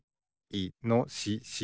いのしし。